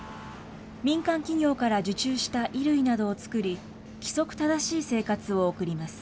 民間企業から受注した衣類などを作り、規則正しい生活を送ります。